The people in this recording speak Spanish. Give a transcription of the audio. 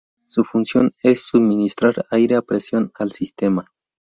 Su función es suministrar aire a presión al sistema.